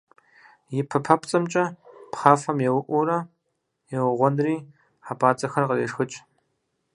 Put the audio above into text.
И пэ папцӀэмкӀэ пхъафэм еуӀуурэ, еугъуэнри, хьэпӀацӀэхэр кърешхыкӏ.